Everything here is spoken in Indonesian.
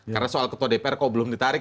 karena soal ketua dpr kok belum ditarik